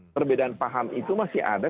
perbedaan paham itu masih ada